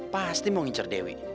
pasti mau ngincer dewi